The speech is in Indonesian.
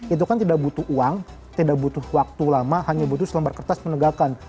itu kan tidak butuh uang tidak butuh waktu lama hanya butuh selembar kertas penegakan